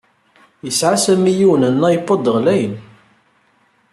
Yesɛa Sami yiwen n iPod ɣlayen.